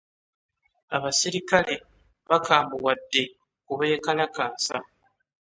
Abaserikale bakambuwadde ku beekalakaasa.